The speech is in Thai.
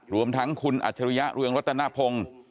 รวมทั้งคุณอัจฉริยะเรืองรัตนพงศ์